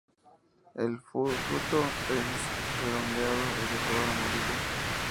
El fruto es redondeado y de color amarillo.